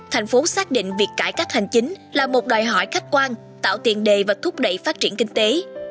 thành phố xác định việc cải cách hành chính là một đòi hỏi khách quan tạo tiền đề và thúc đẩy phát triển kinh tế